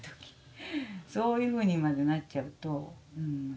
そういうふうにまでなっちゃうとうん。